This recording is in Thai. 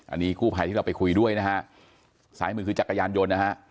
อันนี้กู้ภัยที่เราไปคุยด้วยนะฮะซ้ายมือคือจักรยานยนต์นะฮะ